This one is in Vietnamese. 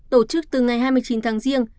tổ chức từ ngày hai mươi chín tháng giêng